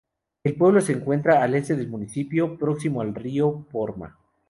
El pueblo se encuentra al este del municipio, próximo al río Porma.